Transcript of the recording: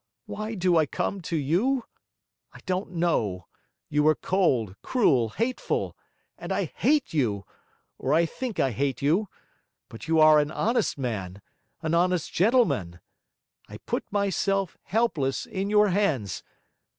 Why do I come to you? I don't know; you are cold, cruel, hateful; and I hate you, or I think I hate you. But you are an honest man, an honest gentleman. I put myself, helpless, in your hands.